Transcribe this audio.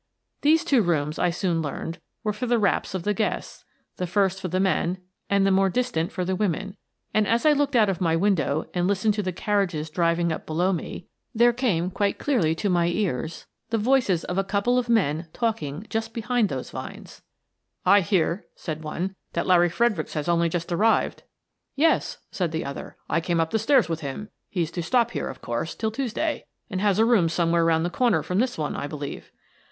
These two rooms, I soon learned, were for the wraps of the guests, the first for the men, and the more dis tant for the women, and, as I looked out of my window and listened to the carriages driving up below me, there came quite clearly to my ears the. Exit the Jewels 29 voices of a couple of men talking just behind those vines. " I hear," said one, " that Larry Fredericks has only just arrived." " Yes," said the other, " I came up the stairs with him. He's to stop here, of course, till Tues day, and has a room somewhere round the corner from this one, I believe."